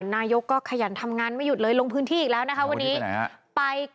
นายกก็ขยันทำงานไม่หยุดเลยลงพื้นที่อีกแล้วนะคะวันนี้ไป